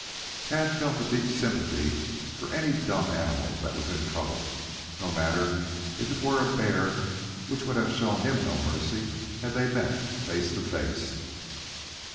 Tad felt a deep sympathy for any dumb animal that was in trouble, no matter if it were a bear which would have shown him no mercy had they met face to face.